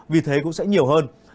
vì thế cũng sẽ nhiều hơn